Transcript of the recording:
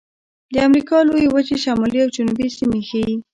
د امریکا لویې وچې شمالي او جنوبي سیمې ښيي.